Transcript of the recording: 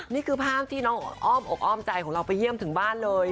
นี่คือภาพที่น้องอ้อมอกอ้อมใจของเราไปเยี่ยมถึงบ้านเลย